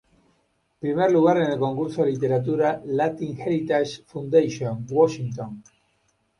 Primer Lugar en el concurso de literatura Latin Heritage foundation, Washington.